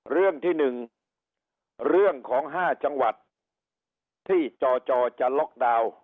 เรื่องที่๑เรื่องของ๕จังหวัดที่จจจะล็อกดาวน์